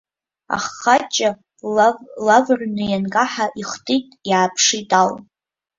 Аҳаҷҷа лавыҩрны ианкаҳа, ихтит, иааԥшит ал.